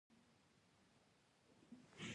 افغانستان د وحشي حیواناتو په برخه کې نړیوال شهرت لري.